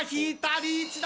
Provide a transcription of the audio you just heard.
リーチだ！